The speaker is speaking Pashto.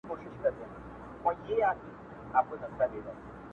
زموږ په شمول د ټولو افغانانو غوښتنه ده